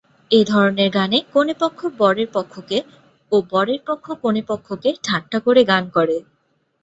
এই ধরনের গানে কনে পক্ষ বরের পক্ষকে ও বরের পক্ষ কনে পক্ষকে ঠাট্টা করে গান করে।